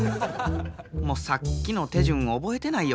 もうさっきの手順覚えてないよ！